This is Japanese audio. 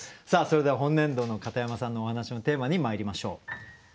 さあそれでは本年度の片山さんのお話のテーマにまいりましょう。